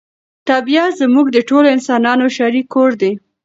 طبیعت زموږ د ټولو انسانانو شریک کور دی.